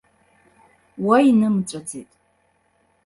Уа инымҵәаӡеит.